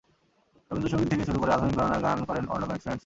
রবীন্দ্রসংগীত থেকে শুরু করে আধুনিক ঘরানার গান করেন অর্ণব অ্যান্ড ফ্রেন্ডস।